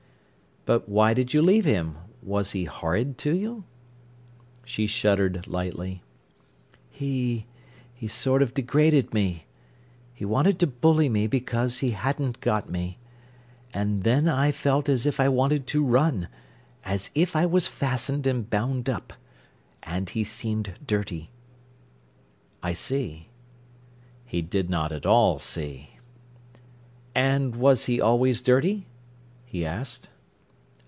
"But why did you leave him? Was he horrid to you?" She shuddered lightly. "He—he sort of degraded me. He wanted to bully me because he hadn't got me. And then I felt as if I wanted to run, as if I was fastened and bound up. And he seemed dirty." "I see." He did not at all see. "And was he always dirty?" he asked.